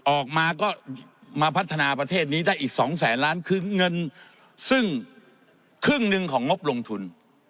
ออกมาก็มาพัฒนาประเทศนี้ได้อีกสองแสนล้านคือเงินซึ่งครึ่งหนึ่งของงบลงทุน